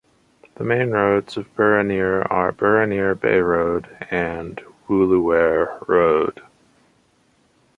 The main roads of Burraneer are Burraneer Bay Road and Woolooware road.